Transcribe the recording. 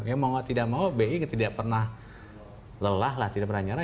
ya mau tidak mau bi tidak pernah lelah lah tidak pernah nyala